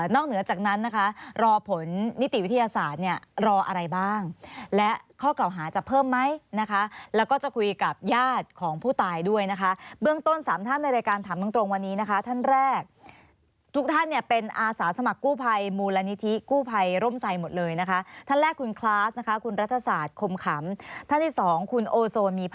เหนือจากนั้นนะคะรอผลนิติวิทยาศาสตร์เนี่ยรออะไรบ้างและข้อกล่าวหาจะเพิ่มไหมนะคะแล้วก็จะคุยกับญาติของผู้ตายด้วยนะคะเบื้องต้นสามท่านในรายการถามตรงวันนี้นะคะท่านแรกทุกท่านเนี่ยเป็นอาสาสมัครกู้ภัยมูลนิธิกู้ภัยร่มใส่หมดเลยนะคะท่านแรกคุณคลาสนะคะคุณรัฐศาสตร์คมขำท่านที่สองคุณโอมีพ